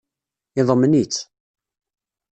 Yeḍmen-itt.